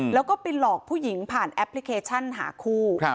แล้วก็ไปหลอกผู้หญิงผ่านแอปพลิเคชันหาคู่